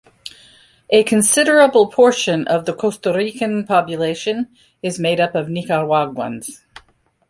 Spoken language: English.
A considerable portion of the Costa Rican population is made up of Nicaraguans.